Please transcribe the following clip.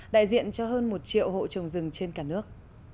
đại diện cho hơn một triệu hộ trồng rừng trên cả nước